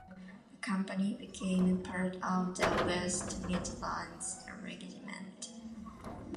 The company became part of the West Midlands Regiment.